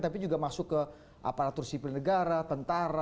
tapi juga masuk ke aparatur sipil negara tentara